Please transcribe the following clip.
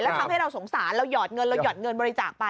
แล้วทำให้เราสงสารเราหยอดเงินบริจาคไป